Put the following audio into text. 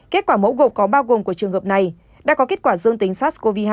kết quả mẫu gộp có bao gồm của trường hợp này đã có kết quả dương tính sars cov hai